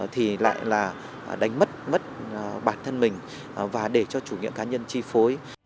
thì lại là đánh mất mất bản thân mình và để cho chủ nghĩa cá nhân chi phối